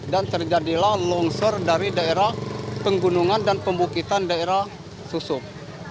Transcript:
dan terjadilah longsor dari daerah penggunungan dan pembukitan daerah susup